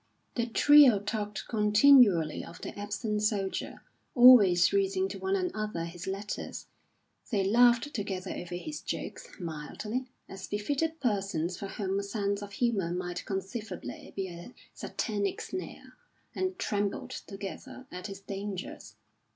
The trio talked continually of the absent soldier, always reading to one another his letters. They laughed together over his jokes, mildly, as befitted persons for whom a sense of humour might conceivably be a Satanic snare, and trembled together at his dangers.